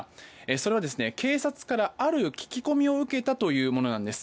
それは、警察からある聞き込みを受けたというものです。